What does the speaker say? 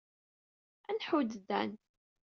Ad nḥudd Dan.